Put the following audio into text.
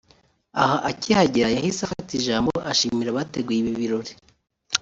Aha akihagera yahise afata ijambo ashimira abateguye ibi birori